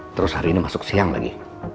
terus hari ini masuk siang lagi